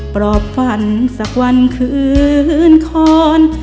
ปลอบฝันสักวันคืนคอน